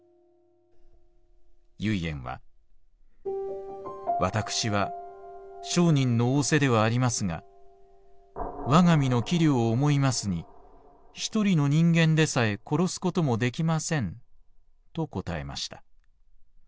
「唯円は『私は聖人の仰せではありますが我が身の器量を思いますに一人の人間でさえ殺すこともできません』と答えました。